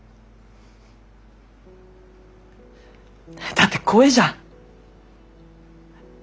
だって怖えじゃん。